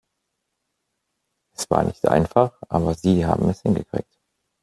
Es war nicht einfach, aber Sie haben es hingekriegt!